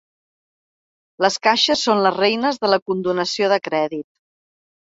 Les caixes són les reines de la condonació de crèdit.